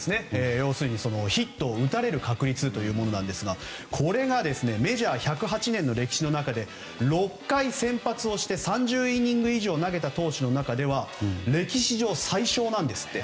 要するにヒットを打たれる確率ですがこれがメジャー１０８年の歴史の中で６回先発して３０イニング以上投げた投手の中では歴史上最小なんですって。